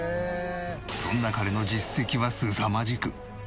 そんな彼の実績はすさまじく。